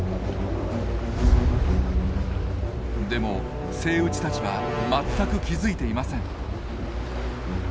でもセイウチたちは全く気付いていません。